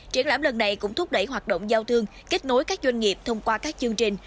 triển lãm lần này cũng thúc đẩy hoạt động giao thương kết nối các doanh nghiệp thông qua các chương trình